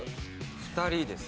２人です。